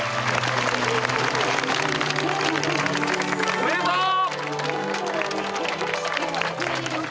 ・おめでとう！